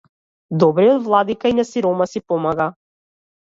Добриот владика и на сиромаси помага.